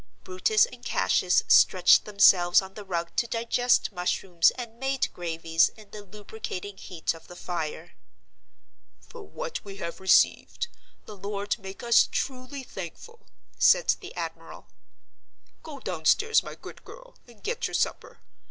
Brutus and Cassius stretched themselves on the rug to digest mushrooms and made gravies in the lubricating heat of the fire. "For what we have received, the Lord make us truly thankful," said the admiral. "Go downstairs, my good girl, and get your supper.